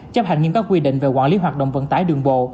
chấp hành nghiêm các quy định về quản lý hoạt động vận tải đường bộ